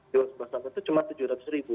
di bawah dua belas tahun itu cuma rp tujuh ratus